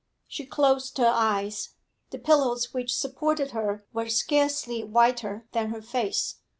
She closed her eyes; the pillows which supported her were scarcely whiter than her face.